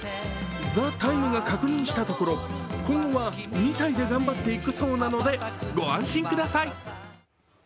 「ＴＨＥＴＩＭＥ，」が確認したところ今後は２体で頑張っていくそうなので、御安心ください。